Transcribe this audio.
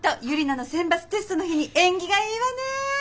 ユリナの選抜テストの日に縁起がいいわね！